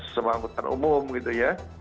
sema angkutan umum gitu ya